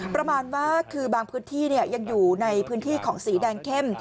ประมาณว่าคือบางพื้นที่ยังอยู่ในพื้นที่ของสีแดงเข้ม